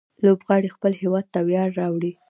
لوبغاړي خپل هيواد ته ویاړ راوړي.